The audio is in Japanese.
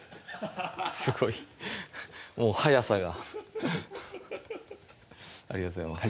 すごいもう早さがありがとうございます